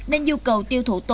nên nhu cầu tiêu thụ tôm